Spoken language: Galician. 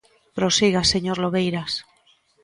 Prosiga, señor Lobeiras.